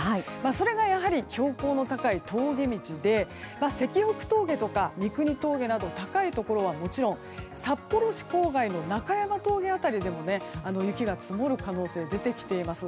それがやはり標高の高い峠道で石北峠とか三国峠など高いところはもちろん札幌市郊外の中山峠辺りでも雪が積もる可能性が出てきています。